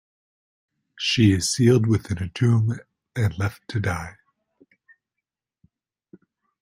She is sealed within a tomb and left to die.